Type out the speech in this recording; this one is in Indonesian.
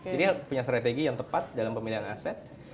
jadi punya strategi yang tepat dalam pemilihan aset